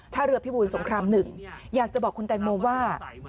ถ้าเรือพิบูรสงคราม๑อยากจะบอกคุณแตงโมว่า